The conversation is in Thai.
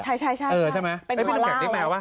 ใช่ใช่ไหมเป็นตัวราว